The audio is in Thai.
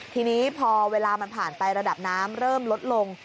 ทีนี้พอเวลามันผ่านไประดับน้ำเริ่มลดลง